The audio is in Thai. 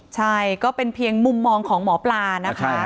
ใช่ก็เป็นเพียงมุมมองของหมอปลานะคะ